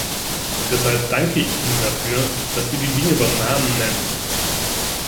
Deshalb danke ich Ihnen dafür, dass wir die Dinge beim Namen nennen.